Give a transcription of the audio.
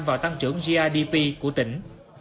vào tăng trưởng grdp của tỉnh